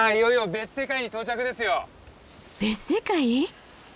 別世界？